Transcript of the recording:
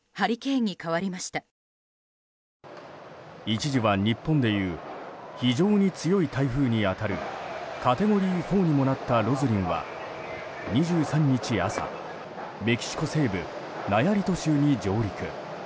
一時は日本でいう非常に強い台風に当たるカテゴリー４にもなったロズリンは２３日朝メキシコ西部ナヤリト州に上陸。